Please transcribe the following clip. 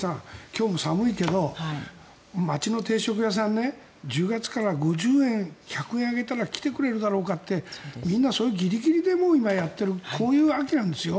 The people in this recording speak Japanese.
今日も寒いけど街の定食屋さんね１０月から５０円、１００円上げたら来てくれるだろうかってみんな、そういうギリギリで今やっているこういう秋なんですよ。